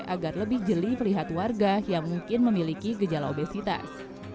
agar lebih jeli melihat warga yang mungkin memiliki gejala obesitas